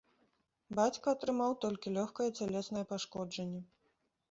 Бацька атрымаў толькі лёгкае цялеснае пашкоджанне.